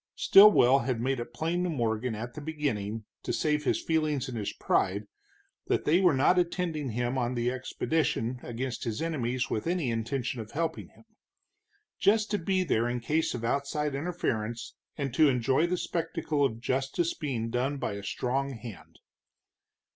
Stilwell had made it plain to Morgan at the beginning, to save his feelings and his pride, that they were not attending him on the expedition against his enemies with any intention of helping him. Just to be there in case of outside interference, and to enjoy the spectacle of justice being done by a strong hand.